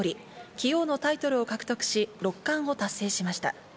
棋王のタイトルを獲得し、六冠を達成しました。